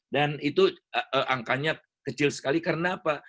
dan itu angkanya kecil sekali karena apa